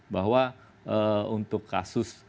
bahwa untuk kasus